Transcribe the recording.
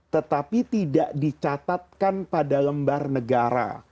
tetapi tidak dicatatkan pada lembar negara